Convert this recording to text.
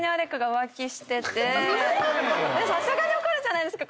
さすがに怒るじゃないですか。